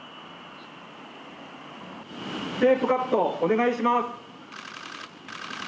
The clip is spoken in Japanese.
テープカットお願いします。